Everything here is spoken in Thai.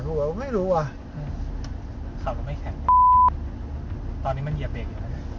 กูแบบว่าไม่รู้อ่ะขับก็ไม่แข็งตอนนี้มันเหยียบเบรกอยู่แล้ว